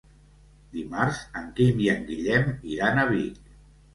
Dimarts en Quim i en Guillem iran a Vic.